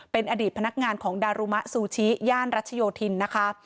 เป็นอดีตพนักงานของดารุมะซูชิย่านรัชโยธินนะคะ